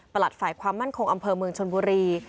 ฝ่ายความมั่นคงอำเภอเมืองชนบุรี